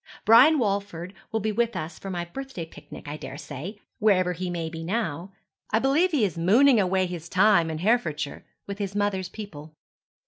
Brian Walford will be with us for my birthday picnic, I daresay, wherever he may be now. I believe he is mooning away his time in Herefordshire, with his mother's people.'